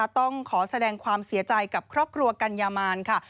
ต้องขอแสดงความเสียใจกับครอบครัวกัญญามานค่ะ